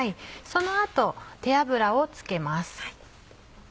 その後手油を付けます。